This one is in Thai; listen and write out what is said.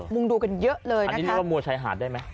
มุ่งดูกันเยอะเลยนะคะอันนี้เรียกว่ามวยชายหาดได้มั้ย